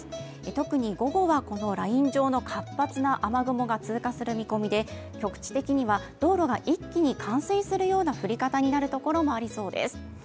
特に午後はこのライン上の活発な雨雲が通過する見込みで局地的には道路が一気に冠水するような降り方がある所があります。